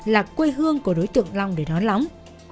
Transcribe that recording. là quê hương của đối tượng long để đón lõng